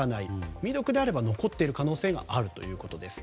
未読であれば残っている可能性があるということです。